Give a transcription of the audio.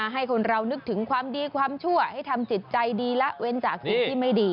ให้คนเรานึกถึงความดีความชั่วให้ทำจิตใจดีละเว้นจากสิ่งที่ไม่ดี